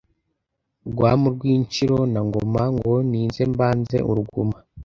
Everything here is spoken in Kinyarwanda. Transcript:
Rwamu rw' Inshiro na Ngoma, ngo ninze mbanze uruguma